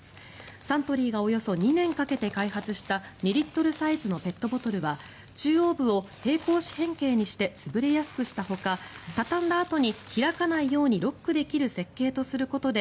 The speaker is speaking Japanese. サントリーがおよそ２年かけて開発した２リットルサイズのペットボトルは中央部を平行四辺形にして潰れやすくしたほかたたんだあとに開かないようにロックできる設計とすることで